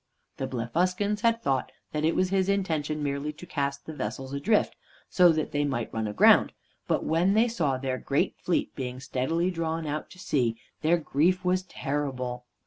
The Blefuscans had thought that it was his intention merely to cast the vessels adrift, so that they might run aground, but when they saw their great fleet being steadily drawn out to sea, their grief was terrible.